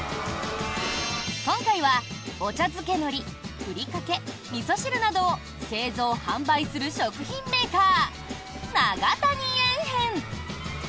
今回は、お茶漬けのりふりかけ、みそ汁などを製造・販売する食品メーカー永谷園編。